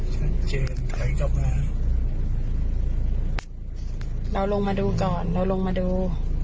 ชัดเจนถอยกลับมาเราลงมาดูก่อนเราลงมาดู